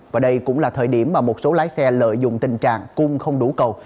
và đây cũng là thời điểm mà một số lái xe lợi dụng tình trạng cung không đủ cầu